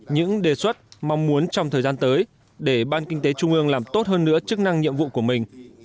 những đề xuất mong muốn trong thời gian tới để ban kinh tế trung ương làm tốt hơn nữa chức năng nhiệm vụ của mình